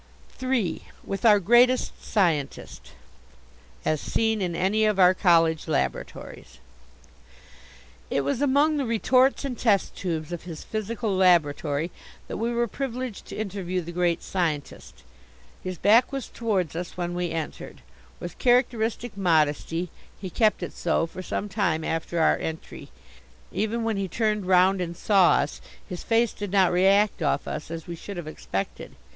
III WITH OUR GREATEST SCIENTIST As seen in any of our College Laboratories It was among the retorts and test tubes of his physical laboratory that we were privileged to interview the Great Scientist. His back was towards us when we entered. With characteristic modesty he kept it so for some time after our entry. Even when he turned round and saw us his face did not react off us as we should have expected.